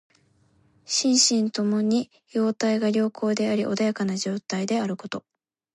心身ともに様態が良好であり穏やかな状態であること。